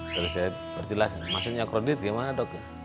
terus saya berjelas maksudnya krodit gimana dok